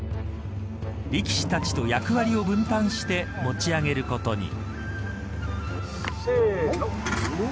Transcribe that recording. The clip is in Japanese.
力士たちと役割を分担して持ち上げることに。